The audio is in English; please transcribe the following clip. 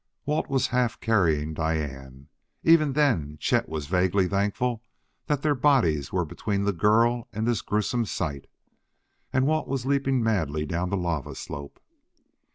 Walt was half carrying Diane. Even then Chet was vaguely thankful that their bodies were between the girl and this gruesome sight. And Walt was leaping madly down the lava slope.